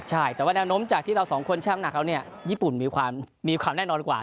ใช่แต่ว่าแนวโน้มจากที่เราสองคนแช่มหนักแล้วเนี่ยญี่ปุ่นมีความมีความแน่นอนกว่า